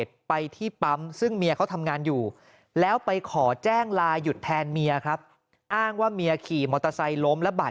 แต่ตำรวจยังไม่ปักใจเชื่อ